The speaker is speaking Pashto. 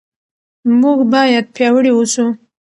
موږ باید پیاوړي اوسو.